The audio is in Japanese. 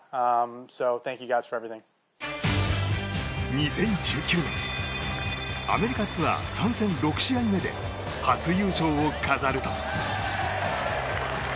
２０１９年アメリカツアー参戦６試合目で初優勝を飾ると。